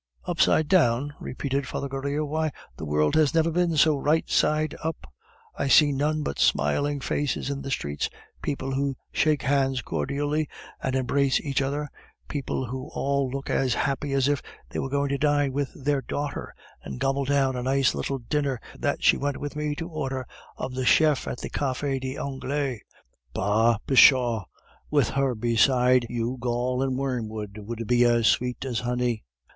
"Upside down?" repeated Father Goriot. "Why, the world has never been so right side up. I see none but smiling faces in the streets, people who shake hands cordially and embrace each other, people who all look as happy as if they were going to dine with their daughter, and gobble down a nice little dinner that she went with me to order of the chef at the Cafe des Anglais. But, pshaw! with her beside you gall and wormwood would be as sweet as honey."